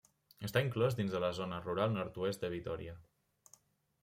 Està inclòs dins de la Zona Rural Nord-oest de Vitòria.